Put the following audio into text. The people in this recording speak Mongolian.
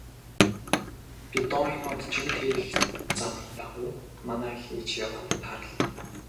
Бедоинууд жин тээх замын дагуу манаа хийж яваад тааралдана.